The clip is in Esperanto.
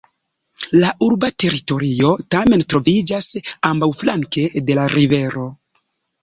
La urba teritorio tamen troviĝas ambaŭflanke de la rivero.